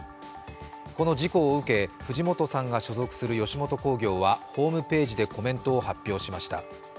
この事故を受け、藤本さんが所属する吉本興業はホームページでコメントを発表しました。